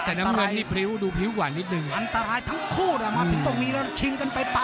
แต่น้ำเงินนี่พริ้วดูพริ้วกว่านิดนึง